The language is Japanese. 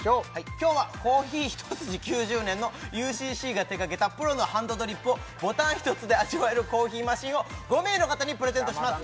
きょうはコーヒーひとすじ９０年のＵＣＣが手がけたプロのハンドドリップをボタンひとつで味わえるコーヒーマシンを５名の方にプレゼントします